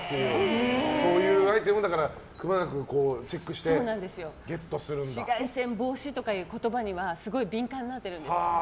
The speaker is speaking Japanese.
そういうアイテムだからくまなくチェックして紫外線防止という言葉にはすごい敏感になってるんです。